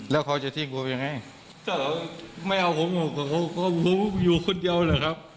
แล้วเขาจะทิ้งผมยังไงก็ไม่เอาผมอยู่คนเดียวแหละครับ